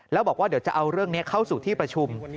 แล้วบอกว่าเดี๋ยวจะเอาเรื่องนี้เข้าสู่ที่ประชุม